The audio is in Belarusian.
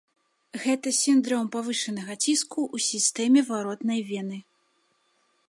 Гэта сіндром павышанага ціску ў сістэме варотнай вены.